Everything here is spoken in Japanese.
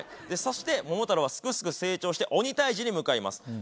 そして桃太郎はすくすく成長して鬼退治に向かいます。